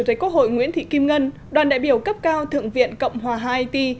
chủ tịch quốc hội nguyễn thị kim ngân đoàn đại biểu cấp cao thượng viện cộng hòa haiti